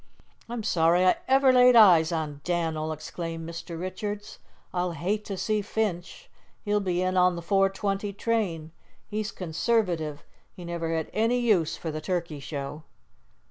"I'm sorry I ever laid eyes on Dan'l!" exclaimed Mr. Richards. "I'll hate to see Finch. He'll be in on the 4.20 train. He's conservative; he never had any use for the turkey show."